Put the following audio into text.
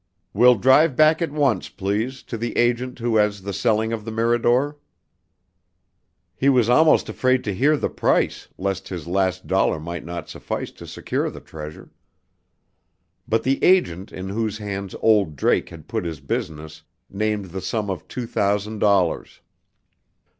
"We'll drive back at once, please, to the agent who has the selling of the Mirador." He was almost afraid to hear the price, lest his last dollar might not suffice to secure the treasure. But the agent in whose hands "old Drake" had put his business named the sum of two thousand dollars.